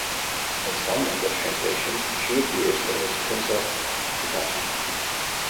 In some English translations she appears as Princess Hitachi.